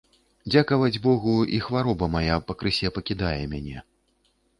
Дзякаваць богу, і хвароба мая пакрысе пакідае мяне.